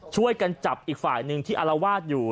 ช่วยกันจับอีกฝ่ายหนึ่งที่อารวาสอยู่